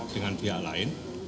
dengan pihak lain